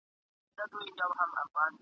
چي به ستړی سو او تګ به یې کرار سو !.